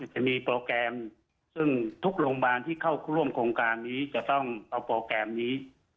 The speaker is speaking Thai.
จะมีโปรแกรมซึ่งทุกโรงพยาบาลที่เข้าร่วมโครงการนี้จะต้องเอาโปรแกรมนี้